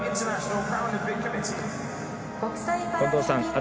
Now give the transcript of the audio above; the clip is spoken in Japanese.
近藤さん